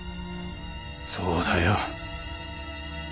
そうだよ。